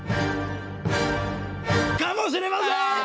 かもしれません！